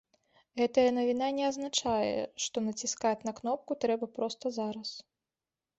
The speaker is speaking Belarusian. Гэтая навіна не азначае, што націскаць на кнопку трэба проста зараз.